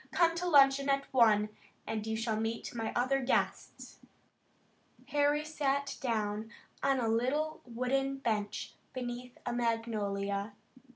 Come to luncheon at one, and you shall meet my other guests." Harry sat down on a little wooden bench beneath a magnolia.